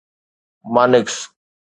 مانڪس